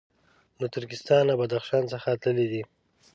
له ترکستان او بدخشان څخه تللي دي.